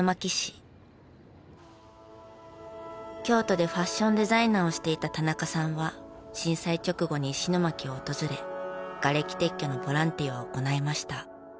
京都でファッションデザイナーをしていた田中さんは震災直後に石巻を訪れがれき撤去のボランティアを行いました。